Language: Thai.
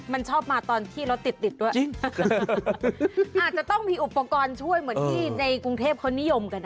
มันชอบมาตอนที่รถติดติดด้วยอาจจะต้องมีอุปกรณ์ช่วยเหมือนที่ในกรุงเทพเขานิยมกันอ่ะ